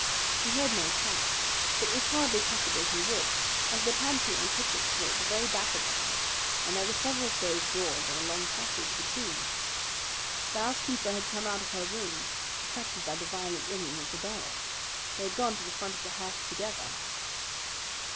He heard no shot; but it was hardly possible he would, as the pantry and kitchens were at the very back of the house and there were several closed doors and a long passage between. The housekeeper had come out of her room, attracted by the violent ringing of the bell. They had gone to the front of the house together.